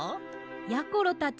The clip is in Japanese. やころたち